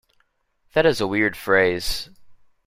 That is a weird phrase.